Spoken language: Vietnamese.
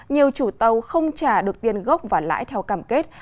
nhiều chủ tàu không trả được tiền gốc và lãi theo cảm kết